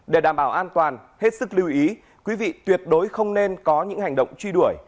để đảm bảo an toàn hết sức lưu ý quý vị tuyệt đối không nên có những hành động truy đuổi